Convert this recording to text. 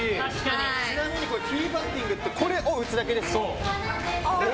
ちなみにティーバッティングはこれを打つだけですか。